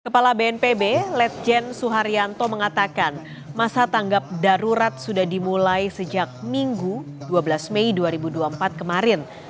kepala bnpb lejen suharyanto mengatakan masa tanggap darurat sudah dimulai sejak minggu dua belas mei dua ribu dua puluh empat kemarin